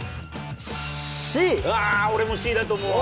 俺もＣだと思うわ。